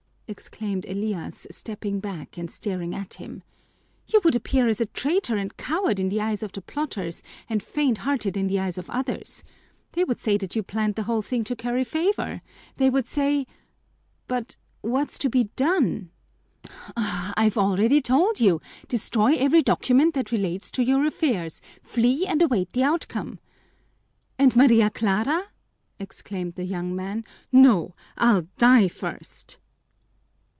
exclaimed Elias, stepping back and staring at him. "You would appear as a traitor and coward in the eyes of the plotters and faint hearted in the eyes of others. They would say that you planned the whole thing to curry favor. They would say " "But what's to be done?" "I've already told you. Destroy every document that relates to your affairs, flee, and await the outcome." "And Maria Clara?" exclaimed the young man. "No, I'll die first!"